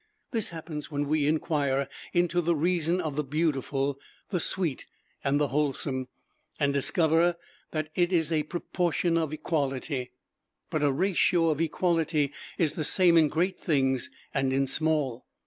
This happens when we inquire into the reason of the beautiful, the sweet, and the wholesome, and discover that it is a proportion of equality. But a ratio of equality is the same in great things and in small.